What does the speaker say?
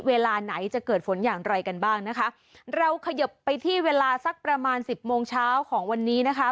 เวลาไหนจะเกิดฝนอย่างไรกันบ้างนะคะเราขยบไปที่เวลาสักประมาณสิบโมงเช้าของวันนี้นะคะ